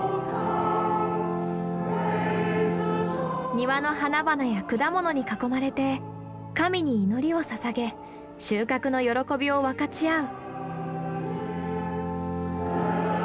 庭の花々や果物に囲まれて神に祈りをささげ収穫の喜びを分かち合う。